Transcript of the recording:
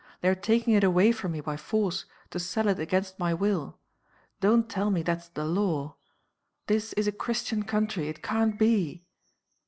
They are taking it away from me by force, to sell it against my will. Don't tell me that's the law. This is a Christian country. It can't be.